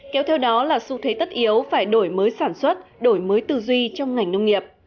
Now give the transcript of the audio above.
kéo theo đó là xu thế tất yếu phải đổi mới sản xuất đổi mới tư duy trong ngành nông nghiệp